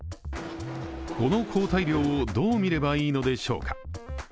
この抗体量をどう見ればいいのでしょうか。